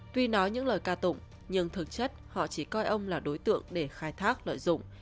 tuy nói những lời ca tụng nhưng thực chất họ chỉ coi ông là đối tượng để khai thác lợi dụng